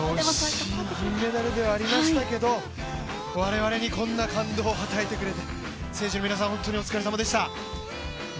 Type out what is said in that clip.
惜しい銀メダルではありましたけど我々にこんな感動を与えてくれて選手の皆さん、本当にお疲れさまでした。